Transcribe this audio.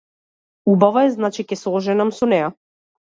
Убава е значи ќе се оженам со неа.